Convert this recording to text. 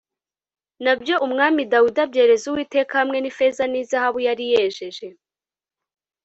Na byo Umwami Dawidi abyereza Uwiteka hamwe n’ifeza n’izahabu yari yejeje